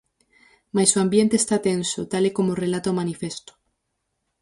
Mais "o ambiente está tenso", tal e como relata O Manifesto.